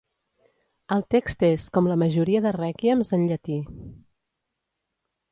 El text és, com la majoria de Rèquiems en llatí.